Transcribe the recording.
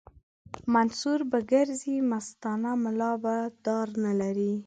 منصور به ګرځي مستانه ملا به دار نه لري